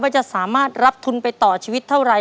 จะสามารถรับทุนไปต่อชีวิตเท่าไร